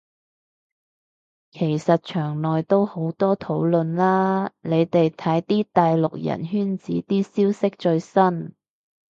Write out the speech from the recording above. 其實牆內好多討論啦，你哋睇啲大陸人圈子啲消息最新